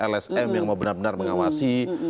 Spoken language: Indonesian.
lsm yang mau benar benar mengawasi